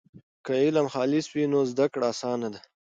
که علم خالص وي نو زده کړه اسانه ده.